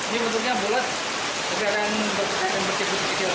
bentuknya bulat kegiatan berkecil kecil